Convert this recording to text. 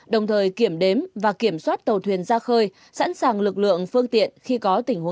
đồng thời kiểm đếm và kiểm soát tàu thuyền ra khơi sẵn sàng